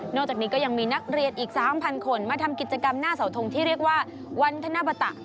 จากนี้ก็ยังมีนักเรียนอีก๓๐๐คนมาทำกิจกรรมหน้าเสาทงที่เรียกว่าวันธนบตะ